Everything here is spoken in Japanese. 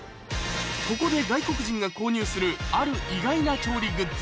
ここで外国人が購入するある意外な調理グッズ